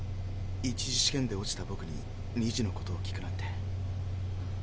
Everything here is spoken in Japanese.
１次試験で落ちたぼくに２次のことを聞くなんて。